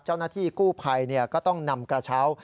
เจ้าหน้าที่กู้ภัยก็ต้องนำกระเช้า